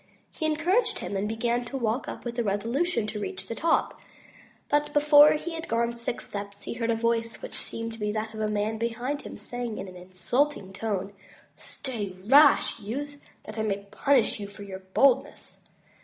He encouraged himself, and began to walk up with a resolution to reach the top; but before he had gone six steps, he heard a voice, which seemed to be that of a man behind him, saying in an insulting tone, "Stay, rash youth, that I may punish you for your boldness."